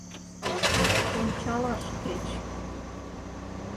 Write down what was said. Ончалаш кеч...